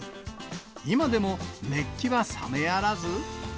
今でも熱気は冷めやらず。